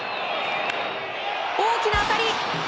大きな当たり！